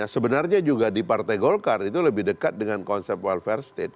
sebenarnya juga di partai golkar itu lebih dekat dengan konsep welfare state